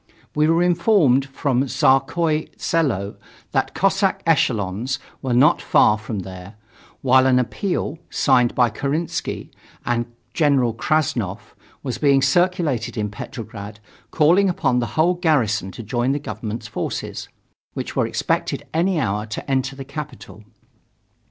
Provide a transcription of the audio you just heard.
We were informed from Tsarskoye Selo that Cossack echelons were not far from there, while an appeal, signed by Kerensky and General Krassnov, was being circulated in Petrograd calling upon the whole garrison to join the government's forces, which were expected any hour to enter the capital.